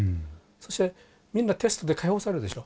そしてみんなテストで解放されるでしょう。